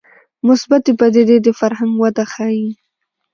مثبتې پدیدې د فرهنګ وده ښيي